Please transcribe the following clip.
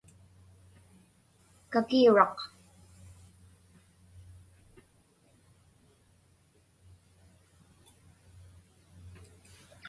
kakiuraq